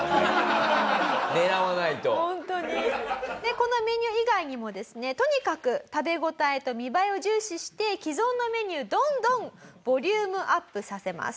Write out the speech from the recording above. このメニュー以外にもですねとにかく食べ応えと見栄えを重視して既存のメニューどんどんボリュームアップさせます。